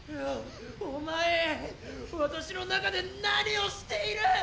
・おお前わたしの中で何をしている！